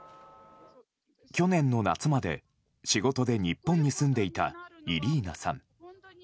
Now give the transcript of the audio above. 去年の夏まで仕事で日本に住んでいたイリーナさん。